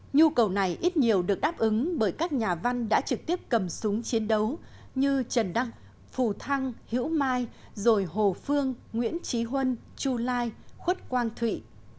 nhu cầu này ít nhiều được đáp ứng bởi các nhà văn đã trực tiếp cầm súng chiến đấu như trần phù thăng hữu mai rồi hồ phương nguyễn trí huân chu lai khuất quang thụy